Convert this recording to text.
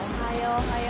おはよう。